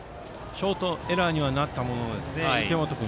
ショートエラーにはなったものの池本君